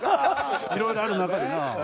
いろいろある中でな。